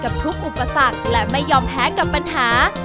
กล้าลุยกับทุกอุปสรรคและไม่ยอมแพ้กับปัญหา